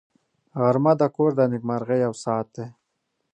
غرمه د کور د نېکمرغۍ یو ساعت دی